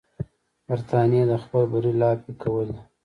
برټانیې د خپل بری لاپې کولې.